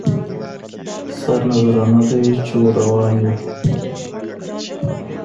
سرنذرانه دی چي ور روان یو